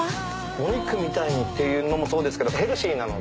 お肉みたいにっていうのもそうですけどヘルシーなので。